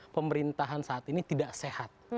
pemerintahan saat ini tidak sehat